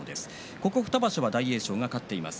ここ２場所は大栄翔が勝っています。